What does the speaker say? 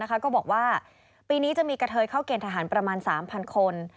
ก็บอกว่าปีนี้จะมีกระเทยเข้าเกณฑ์ทหารประมาณ๓๐๐คน